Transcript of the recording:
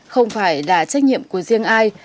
không phải là trách nhiệm của riêng ai